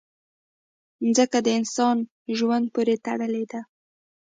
مځکه د انسان ژوند پورې تړلې ده.